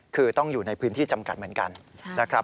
คือต้องอยู่ในพื้นที่จำกัดเหมือนกันนะครับ